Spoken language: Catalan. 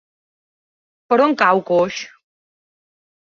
Per on cau Coix?